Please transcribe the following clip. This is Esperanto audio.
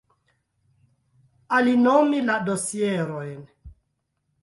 Alinomi la dosierojn.